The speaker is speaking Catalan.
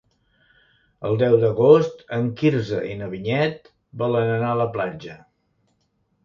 El deu d'agost en Quirze i na Vinyet volen anar a la platja.